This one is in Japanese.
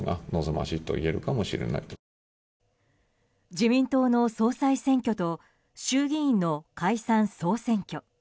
自民党の総裁選挙と衆議院の解散・総選挙。